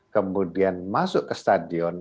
kemudian masuk ke stadion